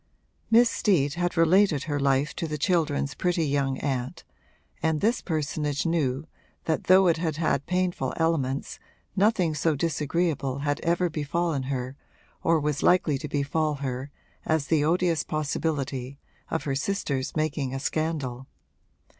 Miss Steet had related her life to the children's pretty young aunt and this personage knew that though it had had painful elements nothing so disagreeable had ever befallen her or was likely to befall her as the odious possibility of her sister's making a scandal.